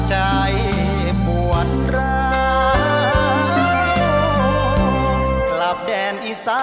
ช่วยฝังดินหรือกว่า